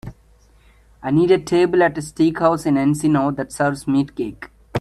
I need a table at a steakhouse in Encino that serves meatcake